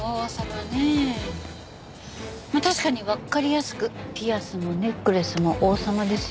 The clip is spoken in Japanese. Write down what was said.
まあ確かにわかりやすくピアスもネックレスも王様ですよね。